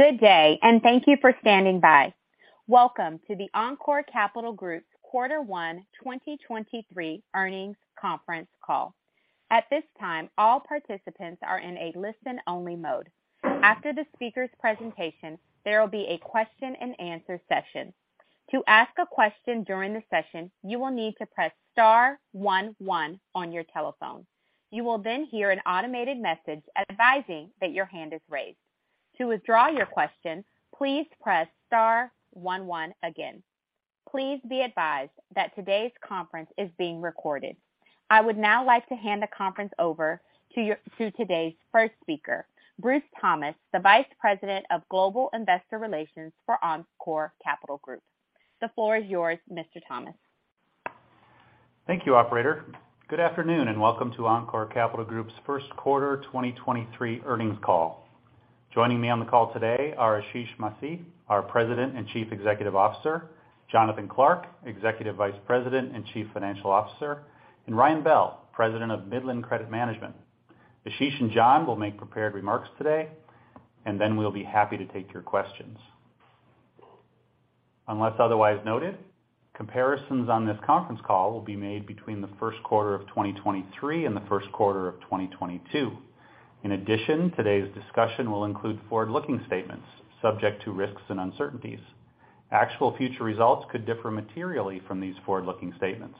Good day, thank you for standing by. Welcome to the Encore Capital Group's quarter one 2023 earnings conference call. At this time, all participants are in a listen-only mode. After the speaker's presentation, there will be a question-and-answer session. To ask a question during the session, you will need to press star one one on your telephone. You will hear an automated message advising that your hand is raised. To withdraw your question, please press star one one again. Please be advised that today's conference is being recorded. I would now like to hand the conference over to today's first speaker, Bruce Thomas, the Vice President of Global Investor Relations for Encore Capital Group. The floor is yours, Mr. Thomas. Thank you, operator. Good afternoon, and welcome to Encore Capital Group's first quarter 2023 earnings call. Joining me on the call today are Ashish Masih, our President and Chief Executive Officer, Jonathan Clark, Executive Vice President and Chief Financial Officer, and Ryan Bell, President of Midland Credit Management. Ashish and John will make prepared remarks today, and then we'll be happy to take your questions. Unless otherwise noted, comparisons on this conference call will be made between the first quarter of 2023 and the first quarter of 2022. Today's discussion will include forward-looking statements subject to risks and uncertainties. Actual future results could differ materially from these forward-looking statements.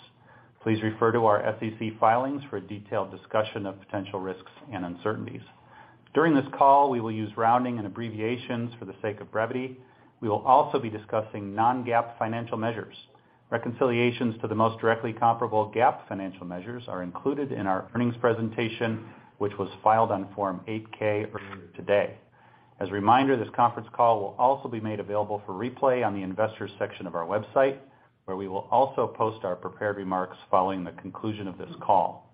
Please refer to our SEC filings for a detailed discussion of potential risks and uncertainties. During this call, we will use rounding and abbreviations for the sake of brevity. We will also be discussing non-GAAP financial measures. Reconciliations to the most directly comparable GAAP financial measures are included in our earnings presentation, which was filed on Form 8-K earlier today. As a reminder, this conference call will also be made available for replay on the investors section of our website, where we will also post our prepared remarks following the conclusion of this call.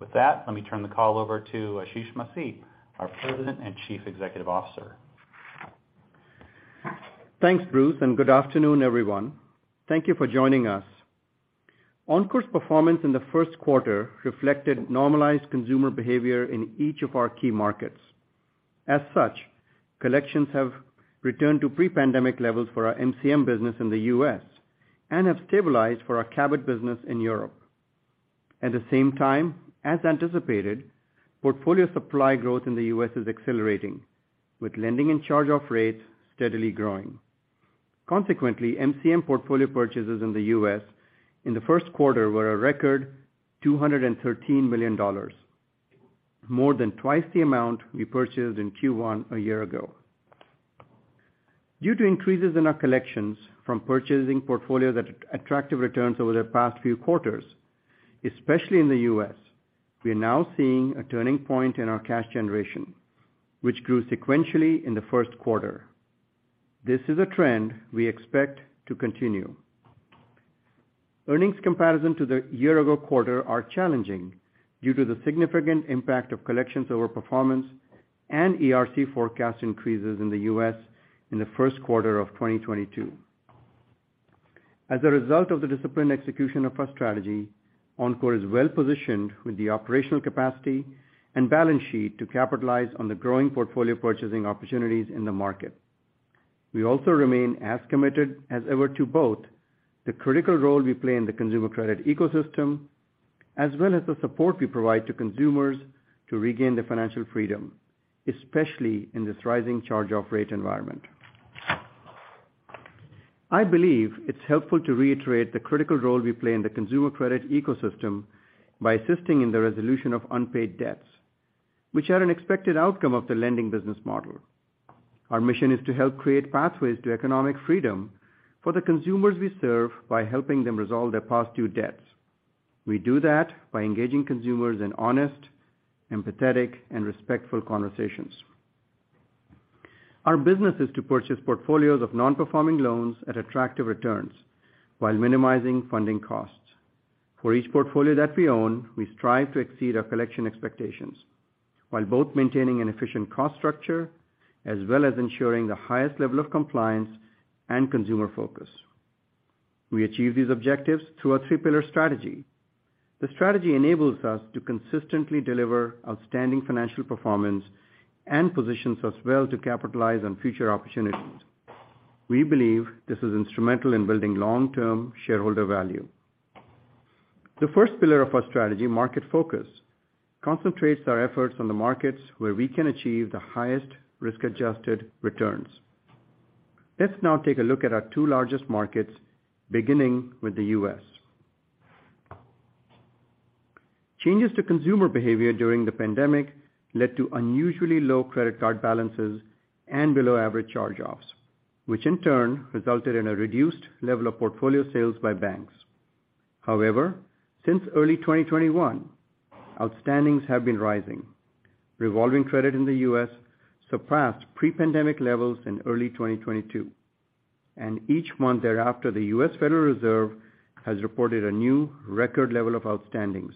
With that, let me turn the call over to Ashish Masih, our President and Chief Executive Officer. Thanks, Bruce. Good afternoon, everyone. Thank you for joining us. Encore's performance in the first quarter reflected normalized consumer behavior in each of our key markets. As such, collections have returned to pre-pandemic levels for our MCM business in the U.S. and have stabilized for our Cabot business in Europe. At the same time, as anticipated, portfolio supply growth in the U.S. is accelerating, with lending and charge-off rates steadily growing. MCM portfolio purchases in the U.S. in the first quarter were a record $213 million, more than twice the amount we purchased in Q1 a year ago. Due to increases in our collections from purchasing portfolios at attractive returns over the past few quarters, especially in the U.S., we are now seeing a turning point in our cash generation, which grew sequentially in the first quarter. This is a trend we expect to continue. Earnings comparison to the year-ago quarter are challenging due to the significant impact of collections overperformance and ERC forecast increases in the U.S. in the first quarter of 2022. As a result of the disciplined execution of our strategy, Encore is well-positioned with the operational capacity and balance sheet to capitalize on the growing portfolio purchasing opportunities in the market. We also remain as committed as ever to both the critical role we play in the consumer credit ecosystem, as well as the support we provide to consumers to regain their financial freedom, especially in this rising charge-off rate environment. I believe it's helpful to reiterate the critical role we play in the consumer credit ecosystem by assisting in the resolution of unpaid debts, which are an expected outcome of the lending business model. Our mission is to help create pathways to economic freedom for the consumers we serve by helping them resolve their past due debts. We do that by engaging consumers in honest, empathetic, and respectful conversations. Our business is to purchase portfolios of non-performing loans at attractive returns while minimizing funding costs. For each portfolio that we own, we strive to exceed our collection expectations while both maintaining an efficient cost structure as well as ensuring the highest level of compliance and consumer focus. We achieve these objectives through our three-pillar strategy. The strategy enables us to consistently deliver outstanding financial performance and positions us well to capitalize on future opportunities. We believe this is instrumental in building long-term shareholder value. The first pillar of our strategy, market focus, concentrates our efforts on the markets where we can achieve the highest risk-adjusted returns. Let's now take a look at our two largest markets, beginning with the U.S. Changes to consumer behavior during the pandemic led to unusually low credit card balances and below-average charge-offs, which in turn resulted in a reduced level of portfolio sales by banks. However, since early 2021, outstandings have been rising. Revolving credit in the U.S. surpassed pre-pandemic levels in early 2022, and each month thereafter, the US Federal Reserve has reported a new record level of outstandings.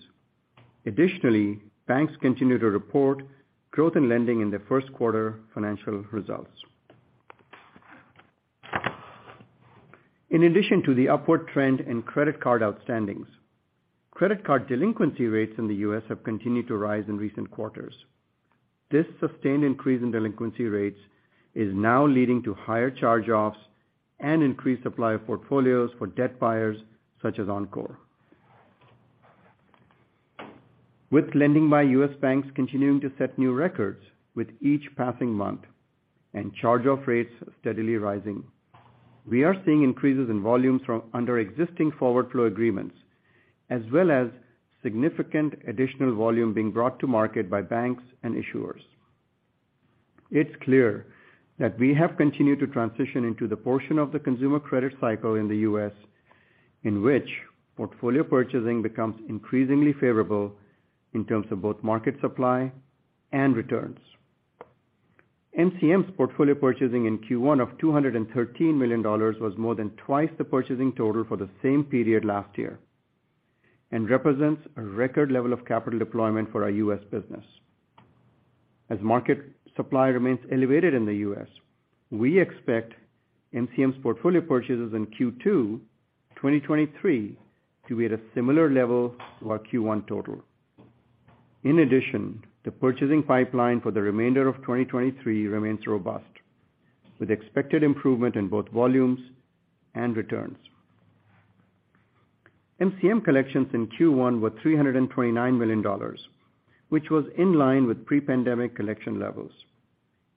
Additionally, banks continue to report growth in lending in their first quarter financial results. In addition to the upward trend in credit card outstandings, credit card delinquency rates in the U.S. have continued to rise in recent quarters. This sustained increase in delinquency rates is now leading to higher charge-offs and increased supply of portfolios for debt buyers such as Encore. With lending by U.S. banks continuing to set new records with each passing month and charge-off rates steadily rising, we are seeing increases in volumes from under existing forward flow agreements, as well as significant additional volume being brought to market by banks and issuers. It's clear that we have continued to transition into the portion of the consumer credit cycle in the U.S., in which portfolio purchasing becomes increasingly favorable in terms of both market supply and returns. MCM's portfolio purchasing in Q1 of $213 million was more than twice the purchasing total for the same period last year and represents a record level of capital deployment for our U.S. business. As market supply remains elevated in the U.S., we expect MCM's portfolio purchases in Q2, 2023 to be at a similar level to our Q1 total. In addition, the purchasing pipeline for the remainder of 2023 remains robust, with expected improvement in both volumes and returns. MCM collections in Q1 were $329 million, which was in line with pre-pandemic collection levels,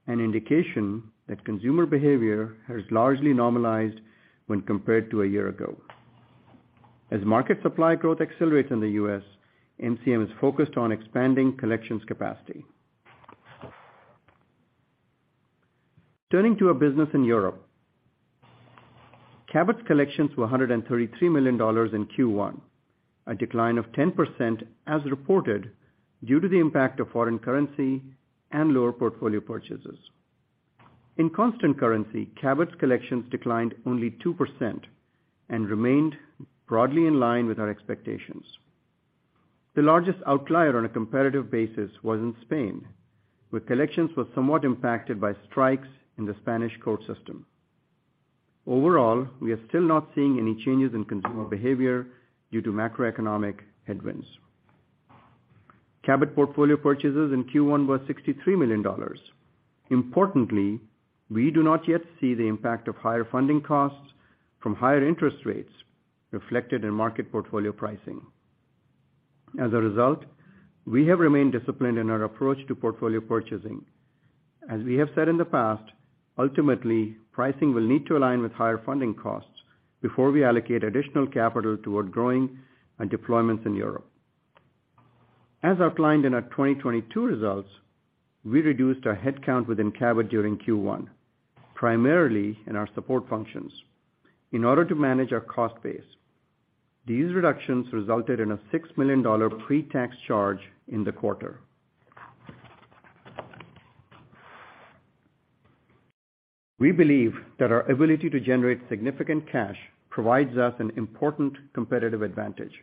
an indication that consumer behavior has largely normalized when compared to a year ago. As market supply growth accelerates in the U.S., MCM is focused on expanding collections capacity. Turning to our business in Europe. Cabot's collections were $133 million in Q1, a decline of 10% as reported due to the impact of foreign currency and lower portfolio purchases. In constant currency, Cabot's collections declined only 2% and remained broadly in line with our expectations. The largest outlier on a comparative basis was in Spain, where collections were somewhat impacted by strikes in the Spanish court system. Overall, we are still not seeing any changes in consumer behavior due to macroeconomic headwinds. Cabot portfolio purchases in Q1 were $63 million. We do not yet see the impact of higher funding costs from higher interest rates reflected in market portfolio pricing. We have remained disciplined in our approach to portfolio purchasing. As we have said in the past, ultimately, pricing will need to align with higher funding costs before we allocate additional capital toward growing our deployments in Europe. As outlined in our 2022 results, we reduced our headcount within Cabot during Q1, primarily in our support functions, in order to manage our cost base. These reductions resulted in a $6 million pre-tax charge in the quarter. We believe that our ability to generate significant cash provides us an important competitive advantage,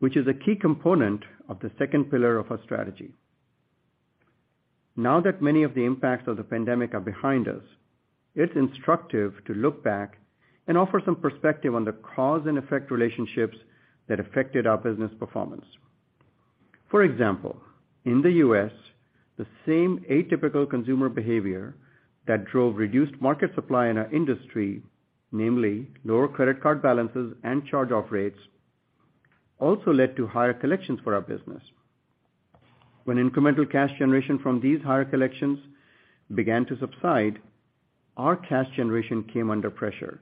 which is a key component of the second pillar of our strategy. Now that many of the impacts of the pandemic are behind us, it's instructive to look back and offer some perspective on the cause and effect relationships that affected our business performance. For example, in the U.S., the same atypical consumer behavior that drove reduced market supply in our industry, namely lower credit card balances and charge-off rates, also led to higher collections for our business. When incremental cash generation from these higher collections began to subside, our cash generation came under pressure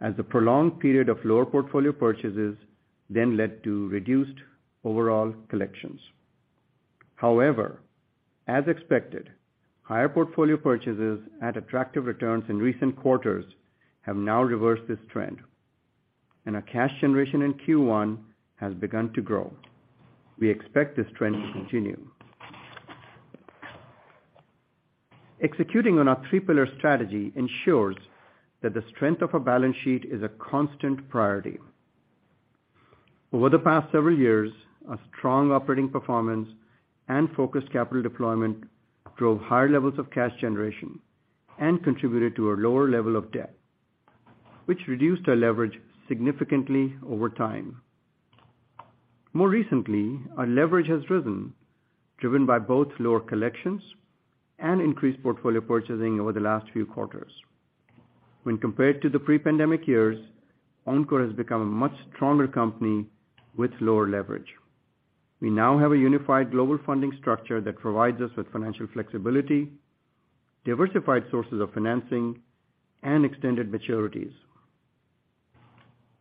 as the prolonged period of lower portfolio purchases then led to reduced overall collections. As expected, higher portfolio purchases at attractive returns in recent quarters have now reversed this trend, and our cash generation in Q1 has begun to grow. We expect this trend to continue. Executing on our three-pillar strategy ensures that the strength of our balance sheet is a constant priority. Over the past several years, our strong operating performance and focused capital deployment drove higher levels of cash generation and contributed to a lower level of debt, which reduced our leverage significantly over time. More recently, our leverage has risen, driven by both lower collections and increased portfolio purchasing over the last few quarters. When compared to the pre-pandemic years, Encore has become a much stronger company with lower leverage. We now have a unified global funding structure that provides us with financial flexibility, diversified sources of financing, and extended maturities.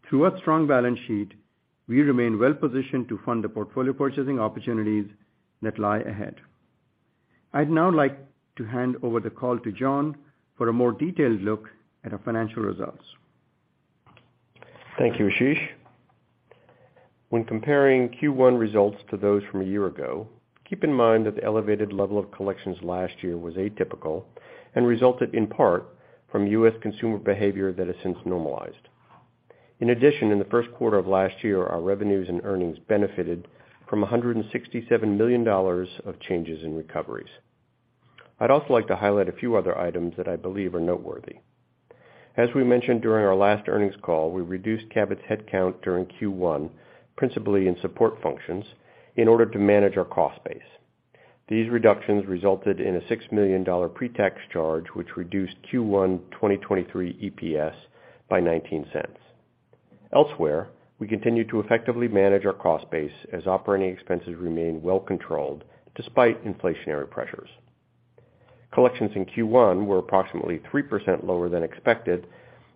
Through our strong balance sheet, we remain well-positioned to fund the portfolio purchasing opportunities that lie ahead. I'd now like to hand over the call to John for a more detailed look at our financial results. Thank you, Ashish. When comparing Q1 results to those from a year ago, keep in mind that the elevated level of collections last year was atypical and resulted in part from U.S. consumer behavior that has since normalized. In the first quarter of last year, our revenues and earnings benefited from $167 million of changes in recoveries. I'd also like to highlight a few other items that I believe are noteworthy. As we mentioned during our last earnings call, we reduced Cabot's headcount during Q1, principally in support functions in order to manage our cost base. These reductions resulted in a $6 million pre-tax charge, which reduced Q1 2023 EPS by $0.19. Elsewhere, we continue to effectively manage our cost base as operating expenses remain well controlled despite inflationary pressures. Collections in Q1 were approximately 3% lower than expected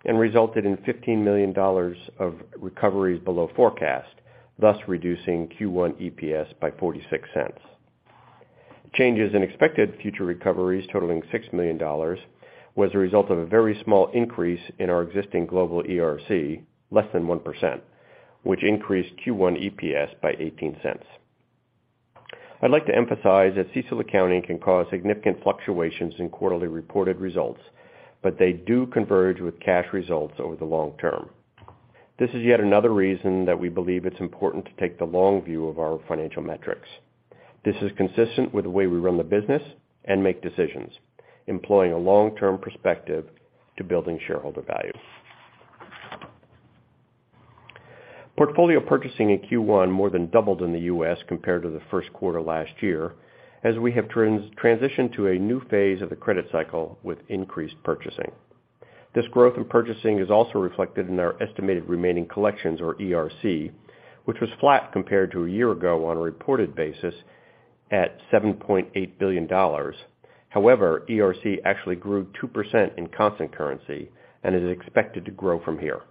and resulted in $15 million of recoveries below forecast, thus reducing Q1 EPS by $0.46. Changes in expected future recoveries totaling $6 million was a result of a very small increase in our existing global ERC, less than 1%, which increased Q1 EPS by $0.18. I'd like to emphasize that CECL accounting can cause significant fluctuations in quarterly reported results, but they do converge with cash results over the long term. This is yet another reason that we believe it's important to take the long view of our financial metrics. This is consistent with the way we run the business and make decisions, employing a long-term perspective to building shareholder value. Portfolio purchasing in Q1 more than doubled in the U.S. compared to the first quarter last year, as we have transitioned to a new phase of the credit cycle with increased purchasing. This growth in purchasing is also reflected in our estimated remaining collections, or ERC, which was flat compared to a year ago on a reported basis at $7.8 billion. However, ERC actually grew 2% in constant currency and is expected to grow from here.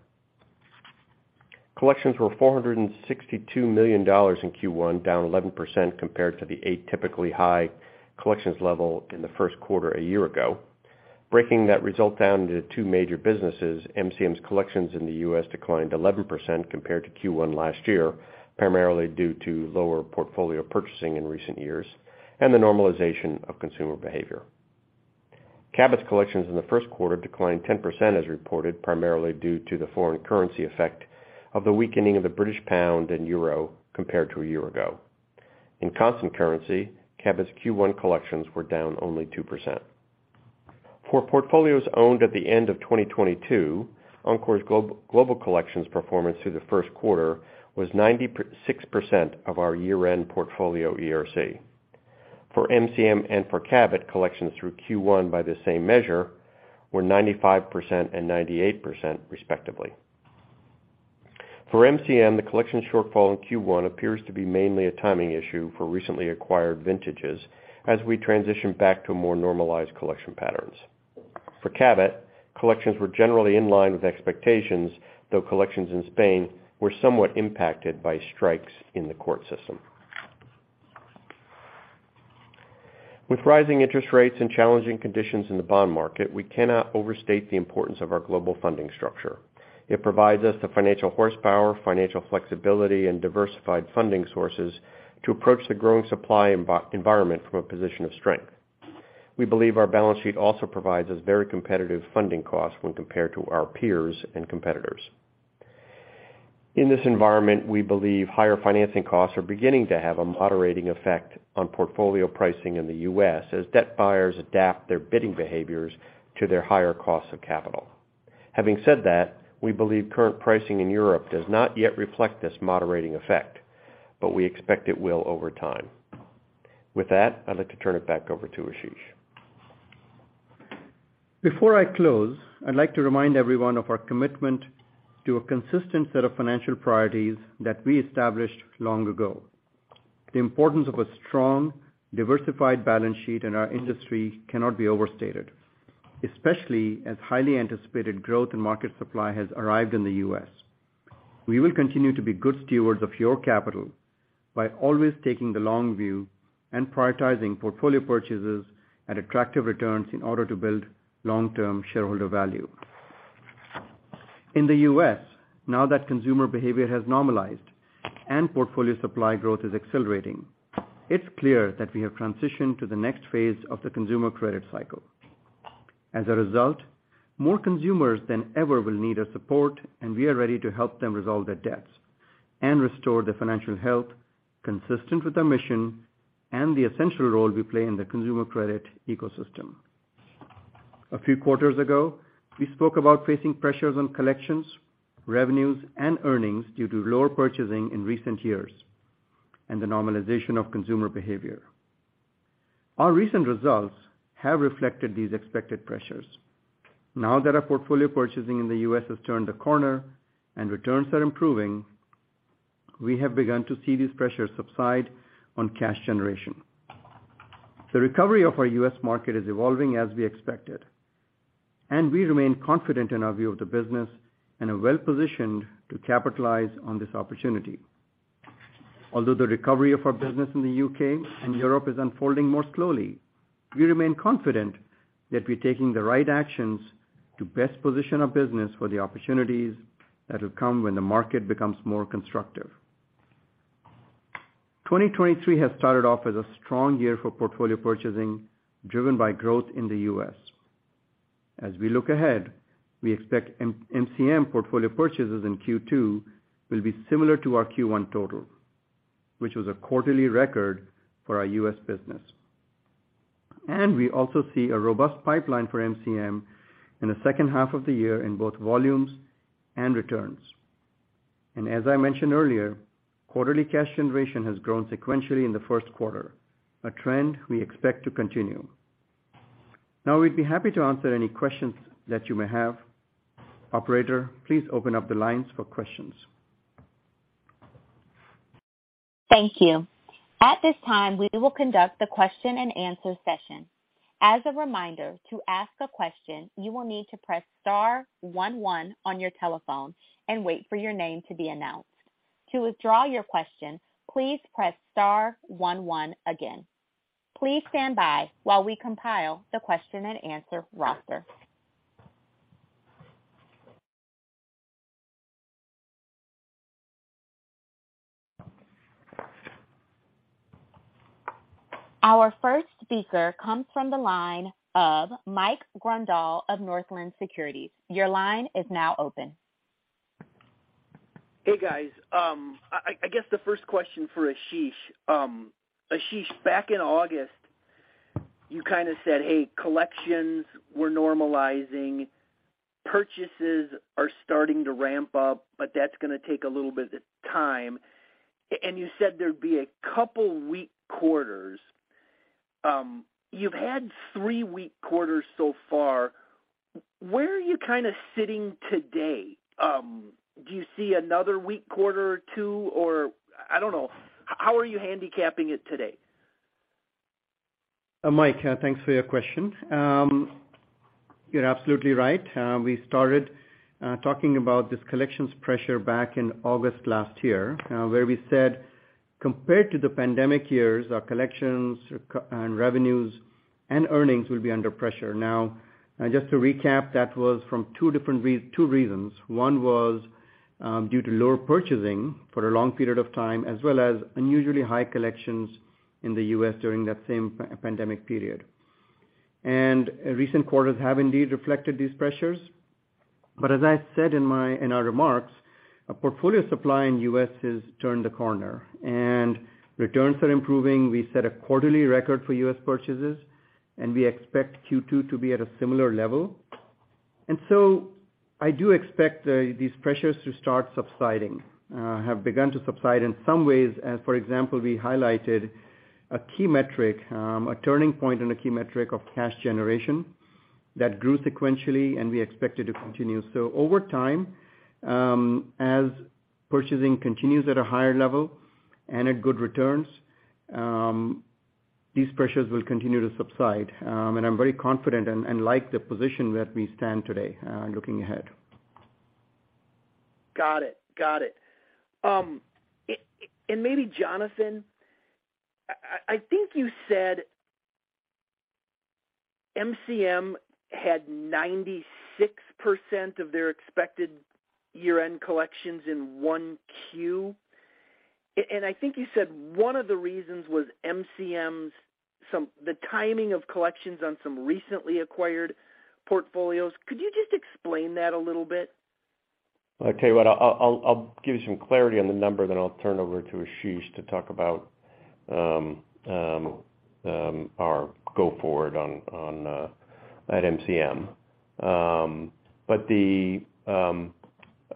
Collections were $462 million in Q1, down 11% compared to the eight typically high collections level in the first quarter a year ago. Breaking that result down into two major businesses, MCM's collections in the U.S. declined 11% compared to Q1 last year, primarily due to lower portfolio purchasing in recent years and the normalization of consumer behavior. Cabot's collections in the first quarter declined 10% as reported, primarily due to the foreign currency effect of the weakening of the British pound and euro compared to a year ago. In constant currency, Cabot's Q1 collections were down only 2%. For portfolios owned at the end of 2022, Encore's global collections performance through the first quarter was 96% of our year-end portfolio ERC. For MCM and for Cabot, collections through Q1 by the same measure were 95% and 98% respectively. For MCM, the collection shortfall in Q1 appears to be mainly a timing issue for recently acquired vintages as we transition back to more normalized collection patterns. For Cabot, collections were generally in line with expectations, though collections in Spain were somewhat impacted by strikes in the court system. With rising interest rates and challenging conditions in the bond market, we cannot overstate the importance of our global funding structure. It provides us the financial horsepower, financial flexibility, and diversified funding sources to approach the growing supply environment from a position of strength. We believe our balance sheet also provides us very competitive funding costs when compared to our peers and competitors. In this environment, we believe higher financing costs are beginning to have a moderating effect on portfolio pricing in the U.S. as debt buyers adapt their bidding behaviors to their higher costs of capital. Having said that, we believe current pricing in Europe does not yet reflect this moderating effect, but we expect it will over time. I'd like to turn it back over to Ashish. Before I close, I'd like to remind everyone of our commitment to a consistent set of financial priorities that we established long ago. The importance of a strong, diversified balance sheet in our industry cannot be overstated, especially as highly anticipated growth in market supply has arrived in the U.S. We will continue to be good stewards of your capital by always taking the long view and prioritizing portfolio purchases at attractive returns in order to build long-term shareholder value. In the U.S., now that consumer behavior has normalized and portfolio supply growth is accelerating, it's clear that we have transitioned to the next phase of the consumer credit cycle. More consumers than ever will need our support. We are ready to help them resolve their debts and restore their financial health consistent with our mission and the essential role we play in the consumer credit ecosystem. A few quarters ago, we spoke about facing pressures on collections, revenues, and earnings due to lower purchasing in recent years and the normalization of consumer behavior. Our recent results have reflected these expected pressures. Now that our portfolio purchasing in the U.S. has turned a corner and returns are improving, we have begun to see these pressures subside on cash generation. The recovery of our U.S. market is evolving as we expected. We remain confident in our view of the business and are well-positioned to capitalize on this opportunity. Although the recovery of our business in the U.K. and Europe is unfolding more slowly, we remain confident that we're taking the right actions to best position our business for the opportunities that will come when the market becomes more constructive. 2023 has started off as a strong year for portfolio purchasing, driven by growth in the U.S. As we look ahead, we expect MCM portfolio purchases in Q2 will be similar to our Q1 total, which was a quarterly record for our U.S. business. We also see a robust pipeline for MCM in the second half of the year in both volumes and returns. As I mentioned earlier, quarterly cash generation has grown sequentially in the first quarter, a trend we expect to continue. Now, we'd be happy to answer any questions that you may have. Operator, please open up the lines for questions. Thank you. At this time, we will conduct the question-and-answer session. As a reminder, to ask a question, you will need to press star one one on your telephone and wait for your name to be announced. To withdraw your question, please press star one one again. Please stand by while we compile the question-and-answer roster. Our first speaker comes from the line of Mike Grondahl of Northland Securities. Your line is now open. Hey, guys. I guess the first question for Ashish. Ashish, back in August, you kinda said, "Hey, collections were normalizing. Purchases are starting to ramp up, but that's gonna take a little bit of time." And you said there'd be a couple weak quarters. You've had three weak quarters so far. Where are you kinda sitting today? Do you see another weak quarter or two? Or I don't know, how are you handicapping it today? Mike, thanks for your question. You're absolutely right. We started talking about this collections pressure back in August last year, where we said, compared to the pandemic years, our collections and revenues and earnings will be under pressure. Now, just to recap, that was from two different two reasons. One was, due to lower purchasing for a long period of time, as well as unusually high collections in the U.S. during that same pandemic period. Recent quarters have indeed reflected these pressures. As I said in our remarks, our portfolio supply in U.S.has turned a corner and returns are improving. We set a quarterly record for U.S. purchases, and we expect Q2 to be at a similar level. I do expect these pressures to start subsiding, have begun to subside in some ways. For example, we highlighted a key metric, a turning point on a key metric of cash generation that grew sequentially, and we expect it to continue. Over time, as purchasing continues at a higher level and at good returns, these pressures will continue to subside. And I'm very confident and like the position that we stand today, looking ahead. Got it. Got it. Maybe Jonathan, I think you said MCM had 96% of their expected year-end collections in 1Q. I think you said one of the reasons was MCM's the timing of collections on some recently acquired portfolios. Could you just explain that a little bit? I'll tell you what, I'll give you some clarity on the number, then I'll turn it over to Ashish to talk about our go forward on, at MCM.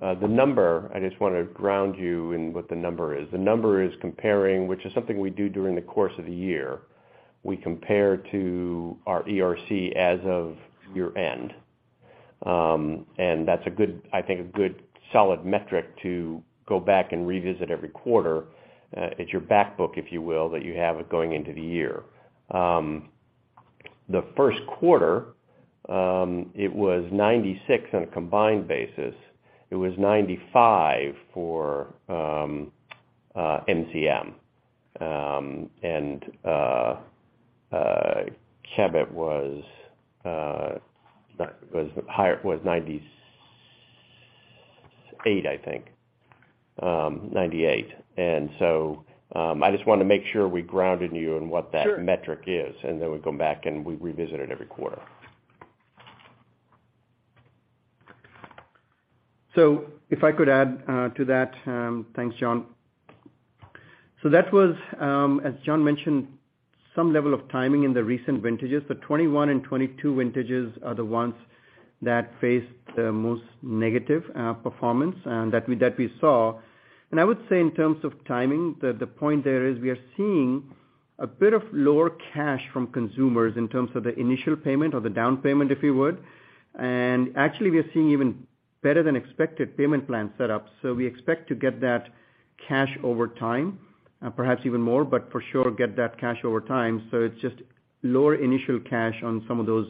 The number, I just wanna ground you in what the number is. The number is comparing, which is something we do during the course of the year. We compare to our ERC as of year-end. And that's a good, I think, a good solid metric to go back and revisit every quarter, at your back book, if you will, that you have it going into the year. The first quarter, it was 96% on a combined basis. It was 95% for MCM. And Cabot was higher, was 98%, I think, 98%. I just wanna make sure we grounded you on- Sure. ...what that metric is, and then we come back, and we revisit it every quarter. If I could add to that, thanks, John. That was, as John mentioned, some level of timing in the recent vintages. The 2021 and 2022 vintages are the ones that faced the most negative performance that we saw. I would say in terms of timing, the point there is we are seeing a bit of lower cash from consumers in terms of the initial payment or the down payment, if you would. Actually, we are seeing even better than expected payment plan set up. We expect to get that cash over time, perhaps even more, but for sure get that cash over time. It's just lower initial cash on some of those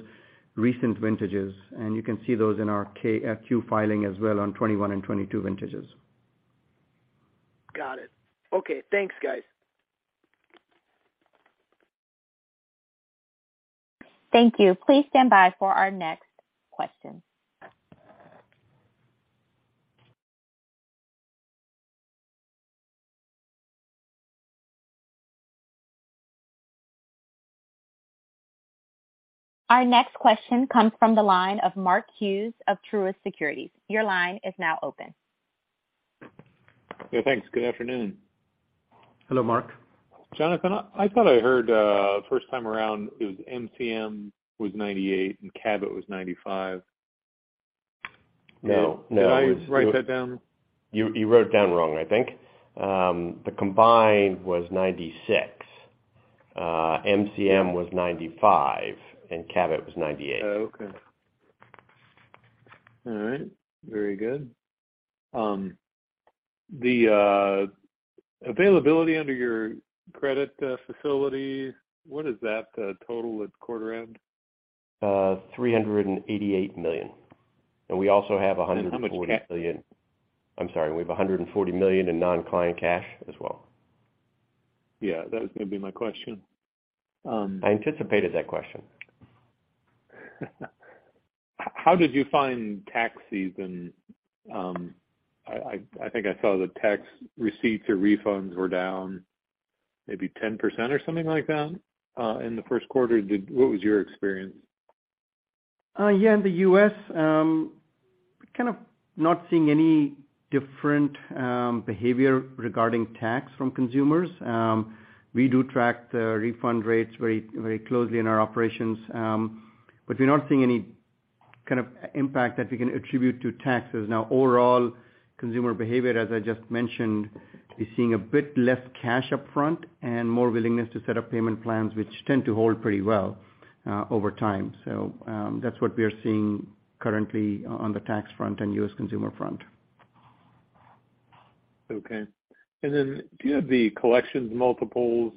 recent vintages, and you can see those in our 10-Q filing as well on 2021 and 2022 vintages. Got it. Okay, thanks, guys. Thank you. Please stand by for our next question. Our next question comes from the line of Mark Hughes of Truist Securities. Your line is now open. Yeah, thanks. Good afternoon. Hello, Mark. Jonathan, I thought I heard, first time around it was MCM was 98% and Cabot was 95%. No, no. Did I write that down? You wrote it down wrong, I think. The combined was 96%. MCM was 95, and Cabot was 98%. Okay. All right. Very good. The availability under your credit facility, what is that total at quarter end? $388 million. We also have $140 million. How much cash? I'm sorry, we have $140 million in non-client cash as well. Yeah, that was gonna be my question. I anticipated that question. How did you find tax season? I think I saw the tax receipts or refunds were down maybe 10% or something like that, in the first quarter. What was your experience? Yeah, in the U.S., kind of not seeing any different behavior regarding tax from consumers. We do track the refund rates very, very closely in our operations. We're not seeing any kind of impact that we can attribute to taxes. Now overall, consumer behavior, as I just mentioned, we're seeing a bit less cash upfront and more willingness to set up payment plans which tend to hold pretty well over time. That's what we are seeing currently on the tax front and U.S. consumer front. Okay. Do you have the collections multiples?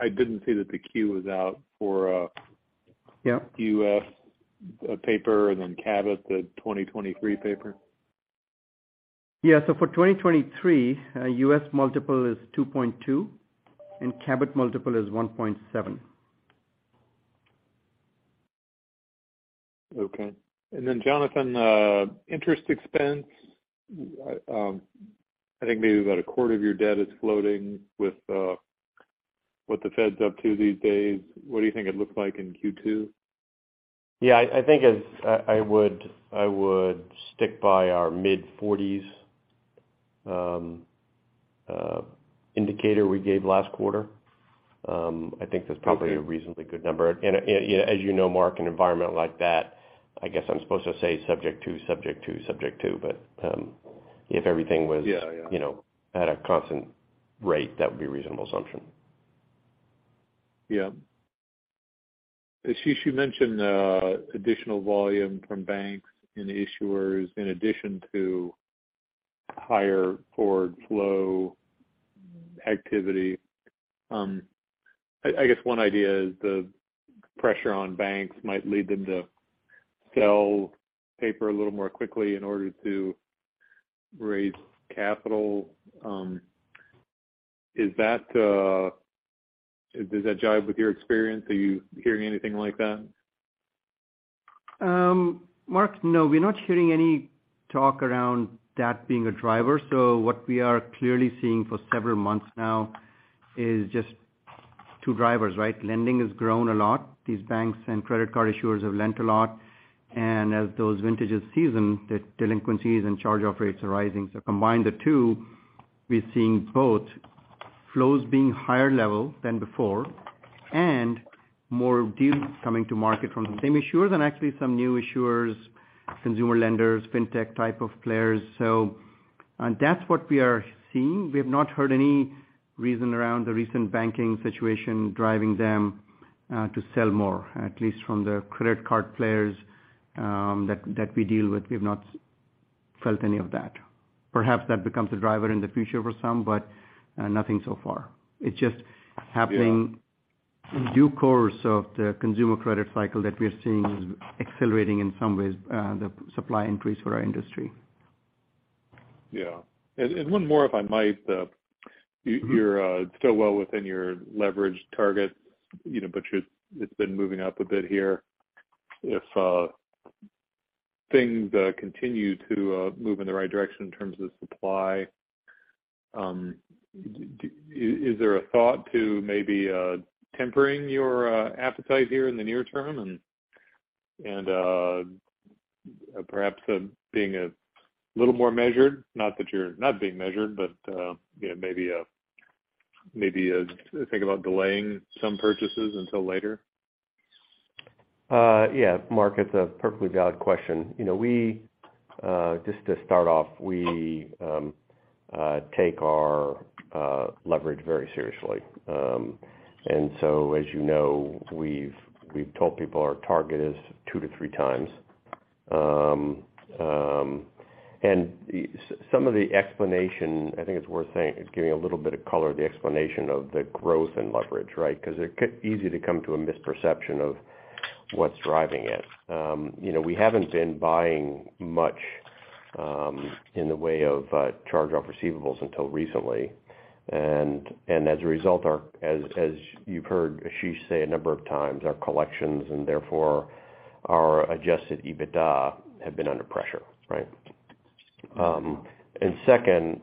I didn't see that the 10-Q was out for- Yeah ...U.S. paper and then Cabot, the 2023 paper. For 2023, U.S. multiple is 2.2, and Cabot multiple is 1.7. Okay. Jonathan, interest expense, I think maybe about a quarter of your debt is floating with what the Fed's up to these days. What do you think it looks like in Q2? Yeah, I think as I would stick by our mid-forties indicator we gave last quarter. Okay. I think there's probably a reasonably good number. You know, Mark, an environment like that, I guess I'm supposed to say subject to, subject to, subject to. Yeah, yeah. you know, at a constant rate, that would be a reasonable assumption. Ashish, you mentioned additional volume from banks and issuers in addition to higher forward flow activity. I guess one idea is the pressure on banks might lead them to sell paper a little more quickly in order to raise capital. Is that... Does that jive with your experience? Are you hearing anything like that? Mark, no. We're not hearing any talk around that being a driver. What we are clearly seeing for several months now is just two drivers, right? Lending has grown a lot. These banks and credit card issuers have lent a lot. As those vintages season, the delinquencies and charge off rates are rising. Combine the two, we're seeing both flows being higher level than before and more deals coming to market from the same issuers and actually some new issuers, consumer lenders, fintech type of players. That's what we are seeing. We have not heard any reason around the recent banking situation driving them to sell more, at least from the credit card players that we deal with. We've not felt any of that. Perhaps that becomes a driver in the future for some, but nothing so far. It's just happening- Yeah ...in due course of the consumer credit cycle that we are seeing is accelerating in some ways, the supply increase for our industry. Yeah. One more, if I might. Mm-hmm you're still well within your leverage target, you know, but it's been moving up a bit here. If things continue to move in the right direction in terms of supply, is there a thought to maybe tempering your appetite here in the near term and perhaps being a little more measured? Not that you're not being measured, but, you know, maybe, think about delaying some purchases until later. Yeah. Mark, it's a perfectly valid question. You know, we, just to start off, we, take our leverage very seriously. As you know, we've told people our target is 2x-3x. Some of the explanation, I think it's worth saying, giving a little bit of color, the explanation of the growth and leverage, right? 'Cause it easy to come to a misperception of what's driving it. You know, we haven't been buying much in the way of charge-off receivables until recently. As a result, as you've heard Ashish say a number of times, our collections and therefore our adjusted EBITDA have been under pressure, right. Second,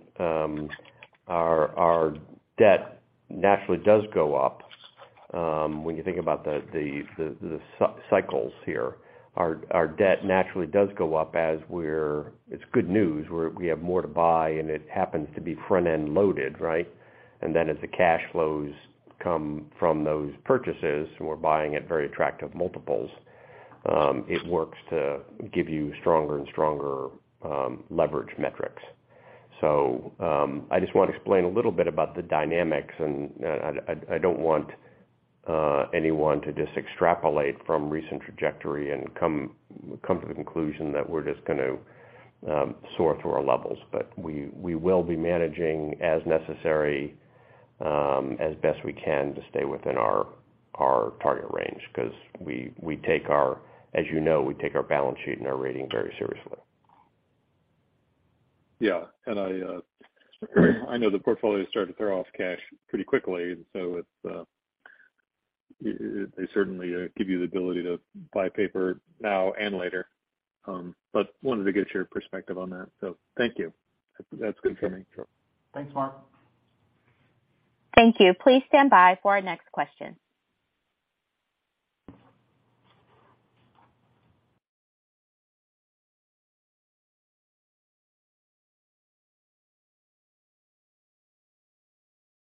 our debt naturally does go up when you think about the cycles here. Our debt naturally does go up. It's good news. We have more to buy, and it happens to be front-end loaded, right? Then as the cash flows come from those purchases, and we're buying at very attractive multiples, it works to give you stronger and stronger leverage metrics. I just wanna explain a little bit about the dynamics, and I don't want anyone to just extrapolate from recent trajectory and come to the conclusion that we're just gonna soar through our levels. We will be managing as necessary, as best we can to stay within our target range because we take our, as you know, we take our balance sheet and our rating very seriously. Yeah. I know the portfolio started to throw off cash pretty quickly, and so it certainly give you the ability to buy paper now and later. Wanted to get your perspective on that. Thank you. That's good for me. Sure. Thanks, Mark. Thank you. Please stand by for our next question.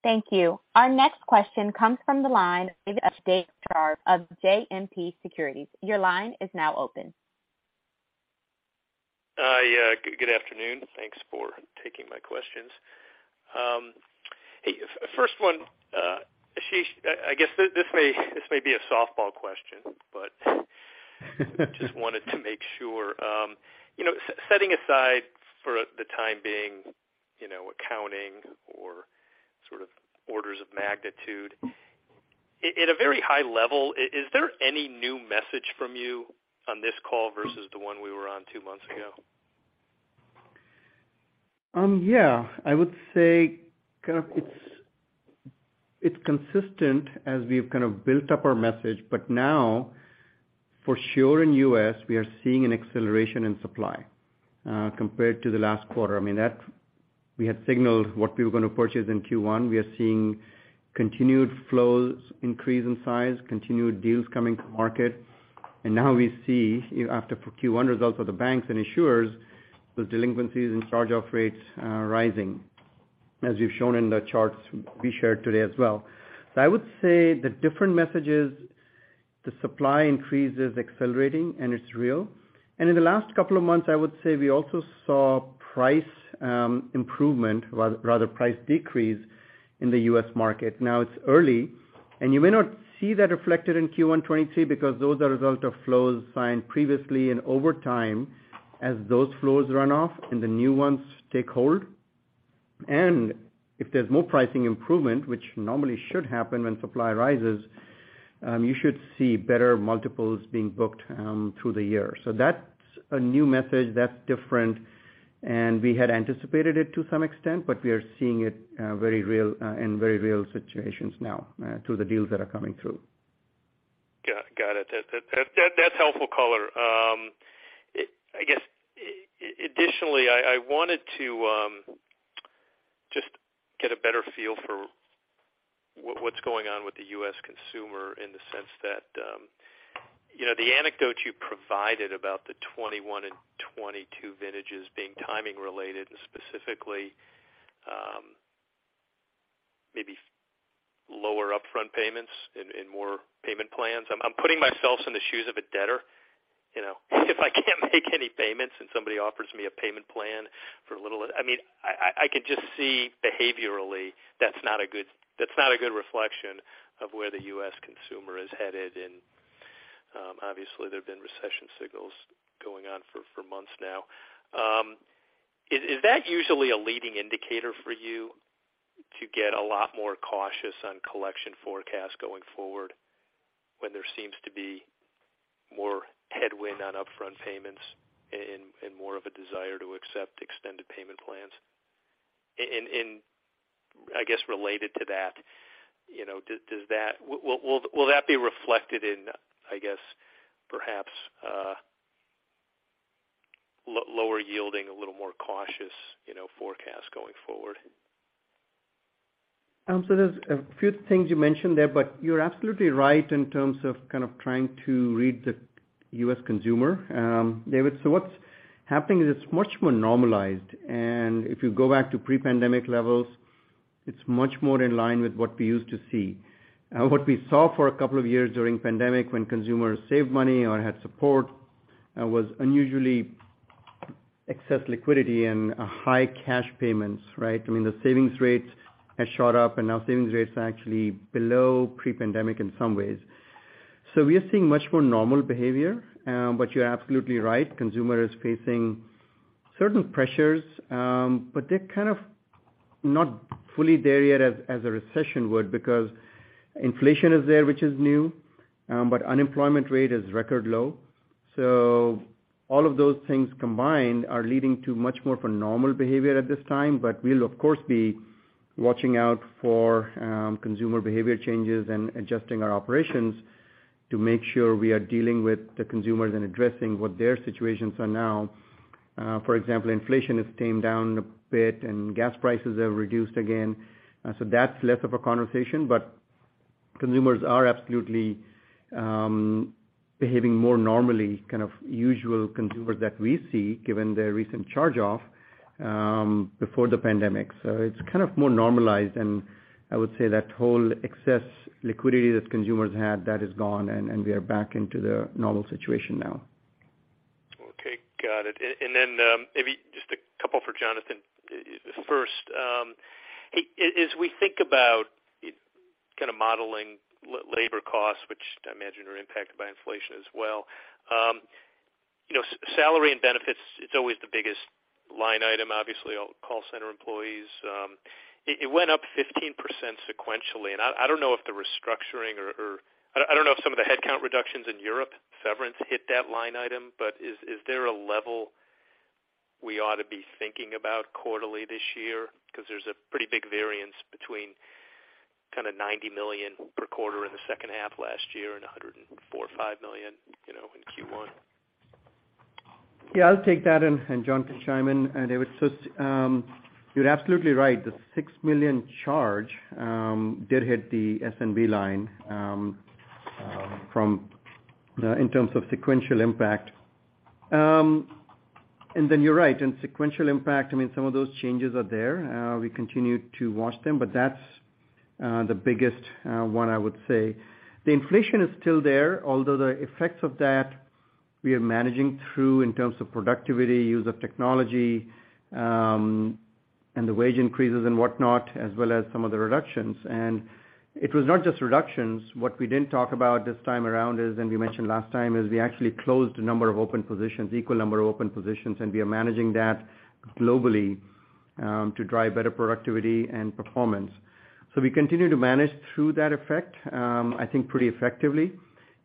Thank you. Our next question comes from the line of David Scharf of JMP Securities. Your line is now open. Good afternoon. Thanks for taking my questions. Hey, first one, Ashish, I guess this may be a softball question, just wanted to make sure. You know, setting aside for the time being, you know, accounting or sort of orders of magnitude. Mm. At a very high level, is there any new message from you on this call versus the one we were on two months ago? I would say kind of it's consistent as we've kind of built up our message. Now for sure in U.S., we are seeing an acceleration in supply compared to the last quarter. I mean, that we had signaled what we were gonna purchase in Q1. We are seeing continued flows increase in size, continued deals coming to market. Now we see after Q1 results of the banks and insurers, those delinquencies and charge-off rates rising, as we've shown in the charts we shared today as well. I would say the different message is the supply increase is accelerating and it's real. In the last couple of months, I would say we also saw price improvement, rather price decrease in the U.S. market. Now it's early. You may not see that reflected in Q1 2023 because those are a result of flows signed previously. Over time, as those flows run off and the new ones take hold, and if there's more pricing improvement, which normally should happen when supply rises, you should see better multiples being booked through the year. That's a new message that's different. We had anticipated it to some extent, but we are seeing it very real in very real situations now through the deals that are coming through. Got it. That's helpful color. I guess additionally, I wanted to just get a better feel for what's going on with the U.S. consumer in the sense that, you know, the anecdote you provided about the 2021 and 2022 vintages being timing related and specifically, maybe lower upfront payments and more payment plans. I'm putting myself in the shoes of a debtor, you know, if I can't make any payments and somebody offers me a payment plan for a little. I mean, I can just see behaviorally that's not a good reflection of where the U.S. consumer is headed. Obviously there have been recession signals going on for months now. Is that usually a leading indicator for you to get a lot more cautious on collection forecast going forward when there seems to be more headwind on upfront payments and more of a desire to accept extended payment plans? I guess related to that, you know, will that be reflected in, I guess, perhaps, lower yielding, a little more cautious, you know, forecast going forward? There's a few things you mentioned there, but you're absolutely right in terms of kind of trying to read the U.S. consumer, David. What's happening is it's much more normalized. If you go back to pre-pandemic levels, it's much more in line with what we used to see. What we saw for a couple of years during pandemic when consumers saved money or had support, was unusually excess liquidity and high cash payments, right? I mean, the savings rates had shot up, and now savings rates are actually below pre-pandemic in some ways. We are seeing much more normal behavior. You're absolutely right, consumer is facing certain pressures, but they're kind of not fully there yet as a recession would because inflation is there, which is new, but unemployment rate is record low. All of those things combined are leading to much more for normal behavior at this time. We'll of course be watching out for consumer behavior changes and adjusting our operations to make sure we are dealing with the consumers and addressing what their situations are now. For example, inflation has tamed down a bit and gas prices have reduced again. That's less of a conversation, but consumers are absolutely behaving more normally, kind of usual consumers that we see, given the recent charge off before the pandemic. It's kind of more normalized, and I would say that whole excess liquidity that consumers had, that is gone, and we are back into the normal situation now. Okay. Got it. Then, maybe just a couple for Jonathan. First, as we think about kinda modeling labor costs, which I imagine are impacted by inflation as well, you know, salary and benefits, it's always the biggest line item, obviously, all call center employees. It went up 15% sequentially, and I don't know if the restructuring or I don't know if some of the headcount reductions in Europe severance hit that line item, but is there a level we ought to be thinking about quarterly this year? 'Cause there's a pretty big variance between kinda $90 million per quarter in the second half last year and $104.5 million, you know, in Q1. Yeah, I'll take that and John can chime in. It was just. You're absolutely right. The $6 million charge did hit the SNB line from in terms of sequential impact. You're right. In sequential impact, I mean, some of those changes are there. We continue to watch them, but that's the biggest one, I would say. The inflation is still there, although the effects of that we are managing through in terms of productivity, use of technology, and the wage increases and whatnot, as well as some of the reductions. It was not just reductions. What we didn't talk about this time around is, and we mentioned last time, is we actually closed a number of open positions, equal number of open positions, and we are managing that globally, to drive better productivity and performance. We continue to manage through that effect, I think pretty effectively.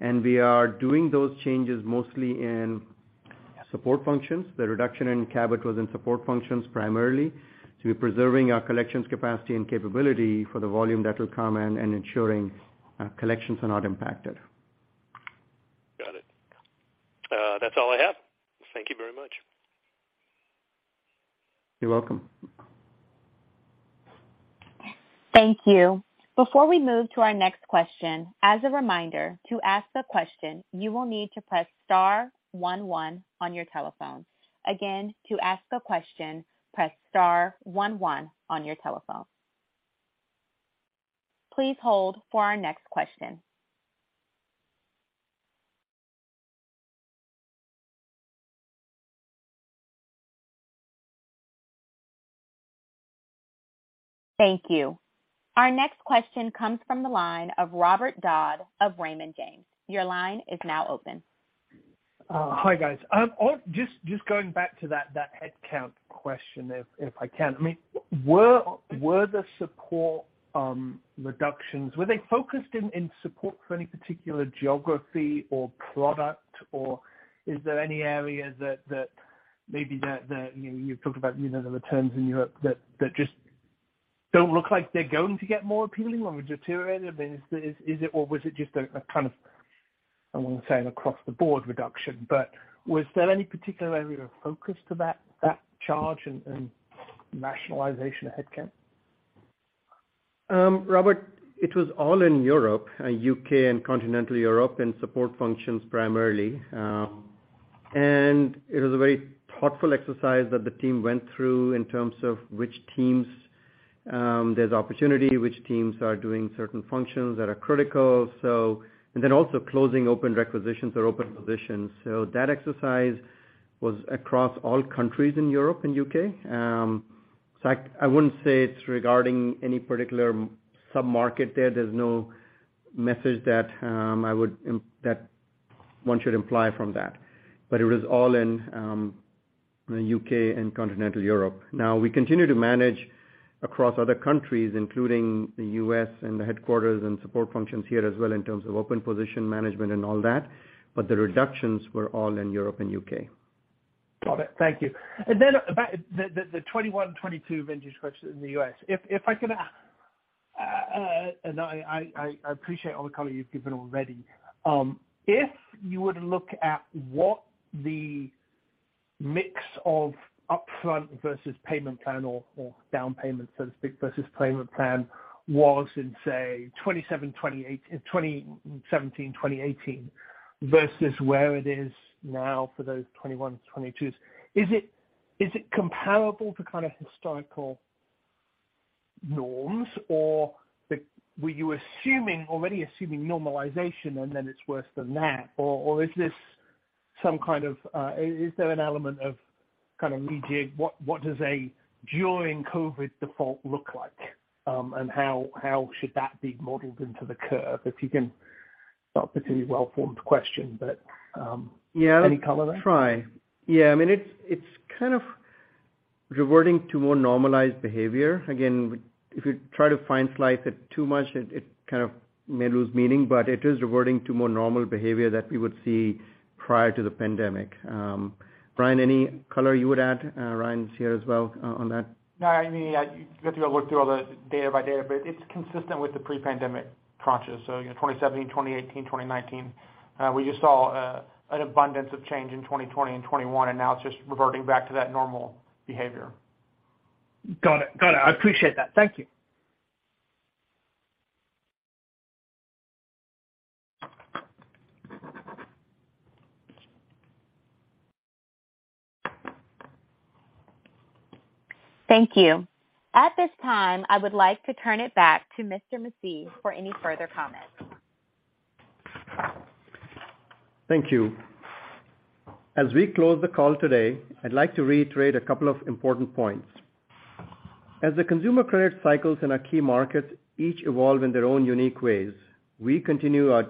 We are doing those changes mostly in support functions. The reduction in Cabot was in support functions primarily. We're preserving our collections capacity and capability for the volume that will come and ensuring collections are not impacted. Got it. That's all I have. Thank you very much. You're welcome. Thank you. Before we move to our next question, as a reminder, to ask a question, you will need to press star one one on your telephone. To ask a question, press star one one on your telephone. Please hold for our next question. Thank you. Our next question comes from the line of Robert Dodd of Raymond James. Your line is now open. Hi, guys. Just going back to that headcount question, if I can. I mean, were the support reductions, were they focused in support for any particular geography or product, or is there any areas that maybe that, you know, you've talked about, you know, the returns in Europe that just don't look like they're going to get more appealing or deteriorated? I mean, is it or was it just a kind of, I won't say an across-the-board reduction, but was there any particular area of focus to that charge and nationalization of headcount? Robert, it was all in Europe, U.K. and continental Europe, and support functions primarily. It was a very thoughtful exercise that the team went through in terms of which teams, there's opportunity, which teams are doing certain functions that are critical. Also closing open requisitions or open positions. That exercise was across all countries in Europe and U.K. I wouldn't say it's regarding any particular sub-market there. There's no message that I would that one should imply from that. It was all in the U.K. and continental Europe. Now, we continue to manage across other countries, including the U.S. and the headquarters and support functions here as well in terms of open position management and all that, but the reductions were all in Europe and U.K. Got it. Thank you. About the 2021 and 2022 vintage question in the U.S. If I can, and I appreciate all the color you've given already. If you were to look at what the mix of upfront versus payment plan or down payment, so to speak, versus payment plan was in, say, 2017, 2018 versus where it is now for those 2021s, 2022s, is it comparable to kind of historical norms, or were you assuming, already assuming normalization and then it's worse than that? Is this some kind of... Is there an element of kind of rejig? What does a during COVID default look like, and how should that be modeled into the curve? If you can... Not particularly well-formed question, any color there? Yeah. I'll try. Yeah. I mean, it's kind of reverting to more normalized behavior. Again, if you try to fine slice it too much, it kind of may lose meaning, but it is reverting to more normal behavior that we would see prior to the pandemic. Ryan, any color you would add, Ryan's here as well, on that? No, I mean, you'd have to look through all the data by data, but it's consistent with the pre-pandemic tranches. You know, 2017, 2018, 2019. We just saw an abundance of change in 2020 and 2021, and now it's just reverting back to that normal behavior. Got it. I appreciate that. Thank you. Thank you. At this time, I would like to turn it back to Mr. Masih for any further comments. Thank you. As we close the call today, I'd like to reiterate a couple of important points. As the consumer credit cycles in our key markets each evolve in their own unique ways, we continue our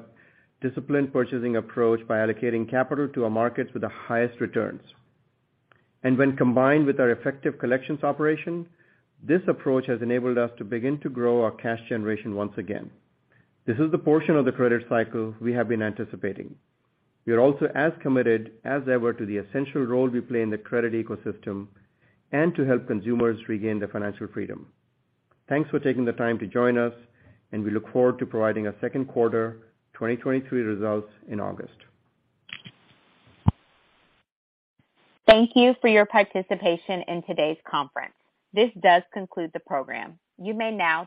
disciplined purchasing approach by allocating capital to our markets with the highest returns. When combined with our effective collections operation, this approach has enabled us to begin to grow our cash generation once again. This is the portion of the credit cycle we have been anticipating. We are also as committed as ever to the essential role we play in the credit ecosystem and to help consumers regain their financial freedom. Thanks for taking the time to join us, and we look forward to providing our second quarter 2023 results in August. Thank you for your participation in today's conference. This does conclude the program. You may now disconnect your telephone.